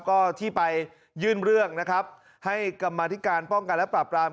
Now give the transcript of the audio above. ก็ที่ไปยื่นเรื่องนะครับให้กรรมธิการป้องกันและปราบราม